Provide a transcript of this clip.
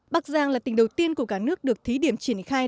bắc giang là tỉnh đầu tiên của cả nước được thí điểm triển khai